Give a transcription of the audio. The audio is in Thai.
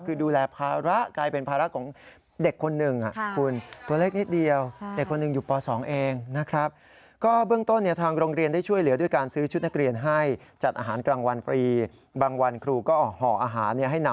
คือดูแลภาระกลายเป็นภาระของเด็กคนหนึ่งคุณ